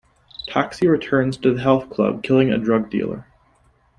Toxie returns to the Health Club, killing a drug dealer.